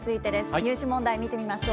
入試問題、見てみましょう。